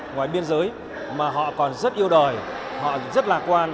ngoài biên giới mà họ còn rất yêu đời họ rất lạc quan